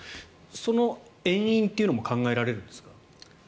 その遠因というのも考えられるんですか？